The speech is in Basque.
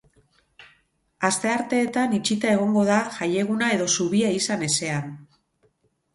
Astearteetan itxita egongo da, jaieguna edo zubia izan ezean.